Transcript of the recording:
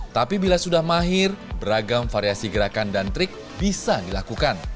tapi bila sudah mahir beragam variasi gerakan dan trik bisa dilakukan